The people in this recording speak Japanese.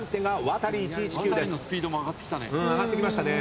ワタリのスピードも上がってきたね。